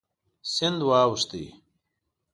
سیند واوښت.